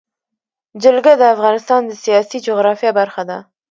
جلګه د افغانستان د سیاسي جغرافیه برخه ده.